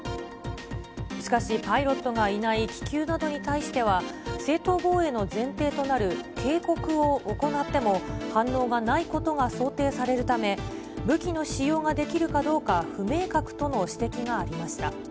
しかし、パイロットがいない気球などに対しては、正当防衛の前提となる警告を行っても反応がないことが想定されるため、武器の使用ができるかどうか不明確との指摘がありました。